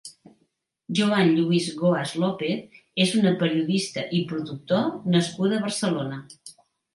Joan Lluís Goas López és una periodista i productor nascuda a Barcelona.